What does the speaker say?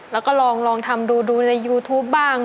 แล้วก็ลองทำดูดูในยูทูปบ้าง